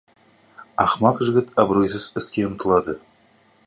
Ақымақ жігіт абыройсыз іске ұмтылады.